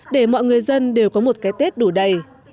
để mọi người dân đều có một cái tết đủ đầy